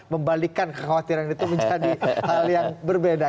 membalikkan kekhawatiran itu menjadi hal yang berbeda